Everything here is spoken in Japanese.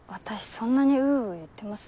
そんなに「うう」言ってます？